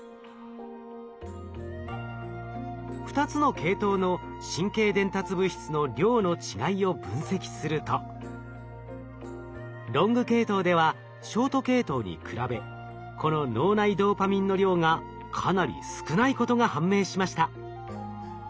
２つの系統の神経伝達物質の量の違いを分析するとロング系統ではショート系統に比べこの脳内ドーパミンの量がかなり少ないことが判明しました。